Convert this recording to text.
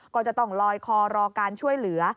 ก็จะต้องลอยคอรอการช่วยเหลือ